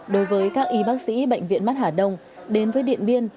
đối với các y bác sĩ bệnh viện mắt hà đông đến với điện biên